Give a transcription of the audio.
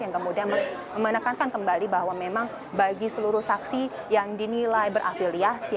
yang kemudian menekankan kembali bahwa memang bagi seluruh saksi yang dinilai berafiliasi